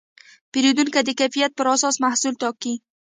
پیرودونکي د کیفیت پر اساس محصول ټاکي.